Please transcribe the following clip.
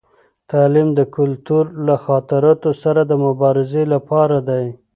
تعلیم د کلتور له خطراتو سره د مبارزې لپاره دی.